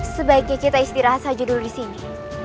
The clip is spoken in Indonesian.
sebaiknya kita istirahat saja dulu disini